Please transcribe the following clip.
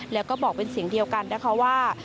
แล้วก็บอกเป็นเสียงเดียวกันนะคะว่า